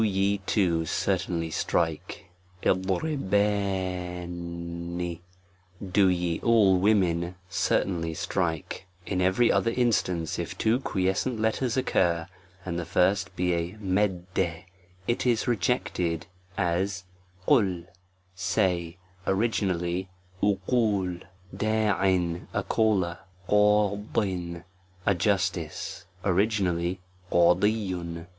e two certainly strike, w ^fj^J do ye all (women) certainly strike. IN every other instance, if two quiescent letters occur, and the first be a it is rejected ; as J say, originally JysJ 5 ^ a caller, ^ 'i a justice, t &9 ^ originally ^6, ^cJa.